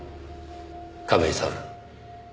亀井さん